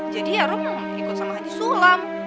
jadi ya rom ikut sama haji sulam